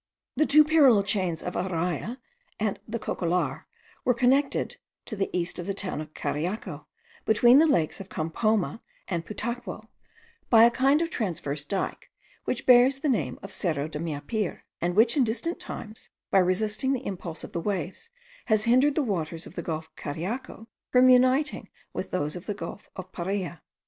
The two parallel chains of Araya and the Cocollar were connected, to the east of the town of Cariaco, between the lakes of Campoma and Putaquao, by a kind of transverse dyke, which bears the name of Cerro de Meapire, and which in distant times, by resisting the impulse of the waves, has hindered the waters of the gulf of Cariaco from uniting with those of the gulf of Paria.